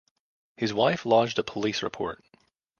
His wife lodged a police report.